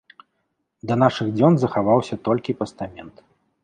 Да нашых дзён захаваўся толькі пастамент.